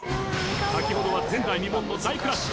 先ほどは前代未聞の大クラッシュ